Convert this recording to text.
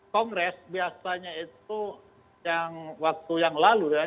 kongres biasanya itu yang waktu yang lalu ya